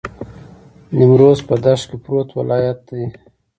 نیمروز په دښت کې پروت ولایت دی.